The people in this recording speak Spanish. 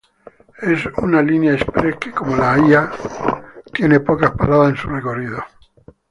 Es una línea express que, como la A, tiene pocas paradas en su recorrido.